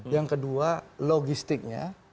yang kedua logistiknya